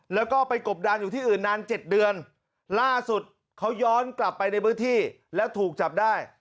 แล้วก็ไปกบดานอยู่ที่อื่นนาน๗เดือนล่าสุดเขาย้อนกลับไปในพื้นที่แล้วถูกจับได้